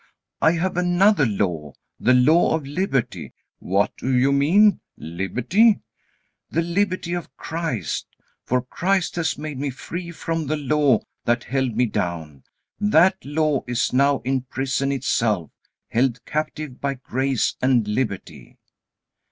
"I have another law, the law of liberty." "What do you mean 'liberty'?" "The liberty of Christ, for Christ has made me free from the Law that held me down. That Law is now in prison itself, held captive by grace and liberty."